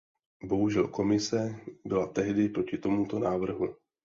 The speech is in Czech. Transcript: Bohužel Komise byla tehdy proti tomuto návrhu.